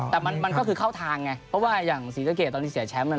แต่มันก็คือเข้าทางไงเพราะว่าอย่างศรีสะเกดตอนที่เสียแชมป์